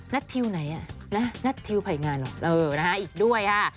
นัททิวไหนอ่ะนัททิวภัยงานหรออีกด้วยฮะ